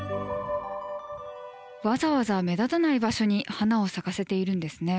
わざわざ目立たない場所に花を咲かせているんですね。